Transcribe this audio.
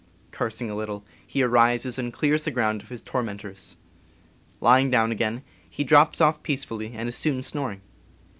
Cursing a little, he arises and clears the ground of his tormentors. Lying down again, he drops off peace fully and is soon snoring.